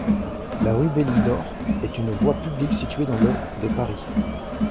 La rue Belidor est une voie publique située dans le de Paris.